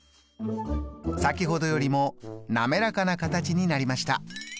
先ほどよりも滑らかな形になりました。